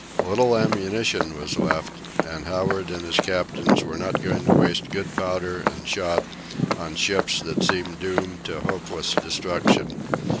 Little ammunition was left, and Howard and his captains were not going to waste good powder and shot on ships that seemed doomed to hopeless destruction.